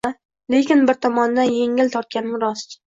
Lekin bir tomondan engil tortganim rost